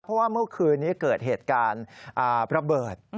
เพราะว่าเมื่อคืนนี้เกิดเหตุการณ์ระเบิด